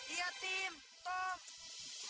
iya tim tom